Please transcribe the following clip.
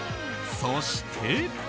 そして。